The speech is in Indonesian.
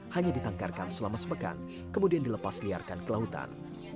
hanya ditangkarkan selama sepekan kemudian dilepasliarkan ke lautan